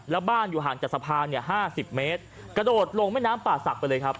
แล้วบ้านอยู่ห่างจากสะพานเนี่ยห้าสิบเมตรกระโดดลงแม่น้ำป่าศักดิ์ไปเลยครับ